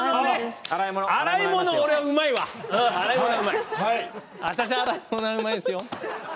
私は、洗い物はうまいですよ。